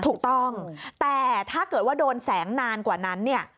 ถูกต้องแต่ถ้าเกิดว่าโดนแสงนานกว่านั้นเนี่ย